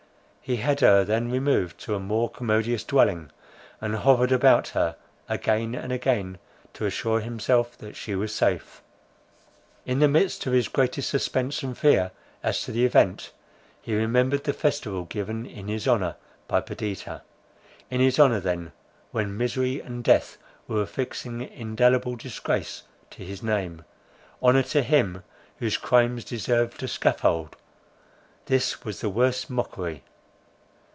He had her then removed to a more commodious dwelling, and hovered about her, again and again to assure himself that she was safe. In the midst of his greatest suspense and fear as to the event, he remembered the festival given in his honour, by Perdita; in his honour then, when misery and death were affixing indelible disgrace to his name, honour to him whose crimes deserved a scaffold; this was the worst mockery.